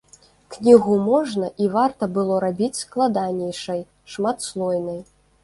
Кнігу можна і варта было рабіць складанейшай, шматслойнай.